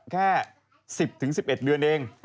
แค่๑๐๑๑เดือนเอง